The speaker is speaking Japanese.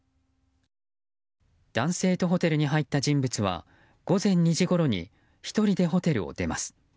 男性とホテルに入った人物は午前２時ごろに１人でホテルを出ます。